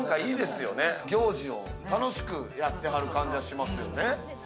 行事を楽しくやってはる感じがしますよね。